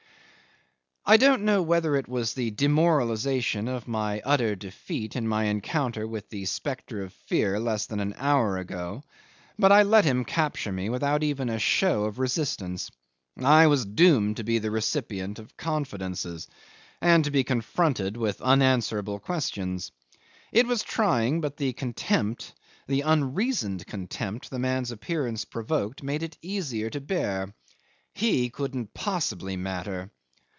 'I don't know whether it was the demoralisation of my utter defeat in my encounter with a spectre of fear less than an hour ago, but I let him capture me without even a show of resistance. I was doomed to be the recipient of confidences, and to be confronted with unanswerable questions. It was trying; but the contempt, the unreasoned contempt, the man's appearance provoked, made it easier to bear. He couldn't possibly matter.